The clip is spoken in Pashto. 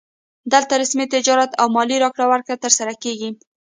دلته رسمي تجارت او مالي راکړه ورکړه ترسره کیږي